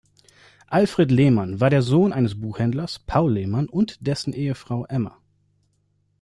Alfred Lehmann war der Sohn eines Buchhändlers Paul Lehmann und dessen Ehefrau Emma.